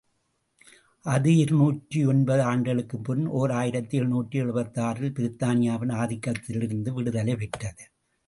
அது, இரு நூற்றியொன்பது ஆண்டுகளுக்கு முன், ஓர் ஆயிரத்து எழுநூற்று எழுபத்தாறு இல், பிரித்தானியாவின் ஆதிக்கத்திலிருந்து விடுதலை பெற்றது.